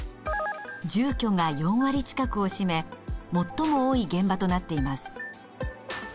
住居が４割近くを占め最も多い現場となっています。